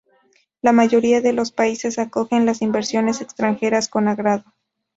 La mayoría de los países acogen las inversiones extranjeras con agrado.